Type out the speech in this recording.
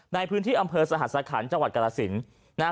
ในพื้นที่อำเภอสหัสขันต์จังหวัดกรสินนะฮะ